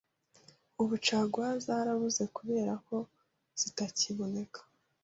ubu caguwa zarabuze kubera ko zitakiboneka